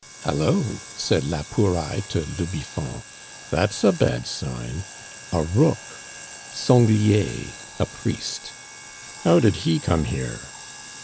"Hallo!" said la Pouraille to le Biffon, "that's a bad sign! A rook! (sanglier, a priest). How did he come here?"